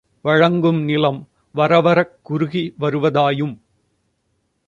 வழங்கும் நிலம் வரவரக் குறுகி வருவதாயும்